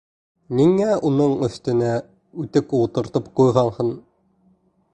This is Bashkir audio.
Ниңә уның өҫтөнә үтек ултыртып ҡуйғанһың?